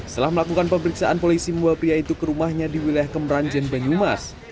setelah melakukan pemeriksaan polisi membawa pria itu ke rumahnya di wilayah kemeranjen banyumas